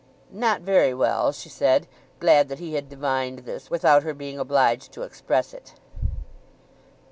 "Not very well," she said, glad that he had divined this without her being obliged to express it.